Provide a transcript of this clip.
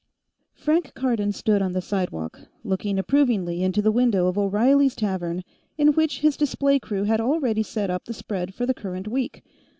Frank Cardon stood on the sidewalk, looking approvingly into the window of O'Reilly's Tavern, in which his display crew had already set up the spread for the current week.